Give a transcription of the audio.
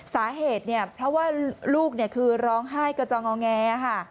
สาเหตุเนี่ยเพราะว่าลูกคือร้องไห้กระจองงอแงค่ะ